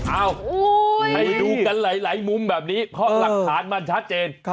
เอ้าให้ดูกันหลายมุมแบบนี้เพราะหลักฐานมันชัดเจน